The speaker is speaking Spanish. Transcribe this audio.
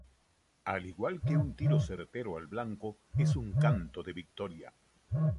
Al igual que un tiro certero al blanco, es un canto de victoria.